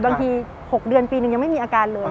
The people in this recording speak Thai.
บางที๖เดือนปีหนึ่งยังไม่มีอาการเลย